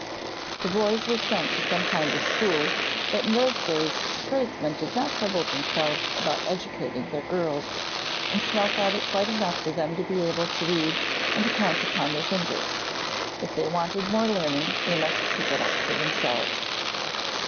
The boys were sent to some kind of school, but in those days tradesmen did not trouble themselves about educating their girls, and Snell thought it quite enough for them to be able to read and to count upon their fingers. If they wanted more learning they must pick it up for themselves.